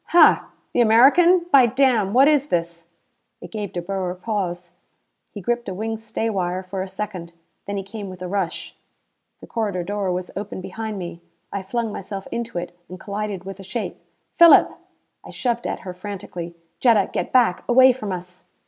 "Hah! The American. By damn, what is this?" It gave De Boer pause. He gripped a wing stay wire for a second. Then he came with a rush. The corridor door was open behind me. I flung myself into it and collided with a shape. "Philip!" I shoved at her frantically. "Jetta, get back! Away from us!"